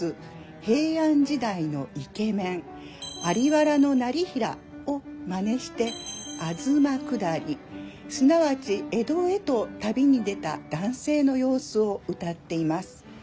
平安時代のイケメン在原業平をまねして東下りすなわち江戸へと旅に出た男性の様子を歌っています。